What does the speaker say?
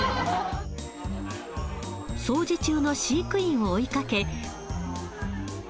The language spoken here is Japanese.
掃除中の飼育員を追いかけ。